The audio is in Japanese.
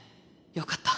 よかった。